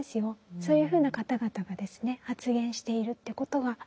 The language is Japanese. そういうふうな方々がですね発言しているということがあります。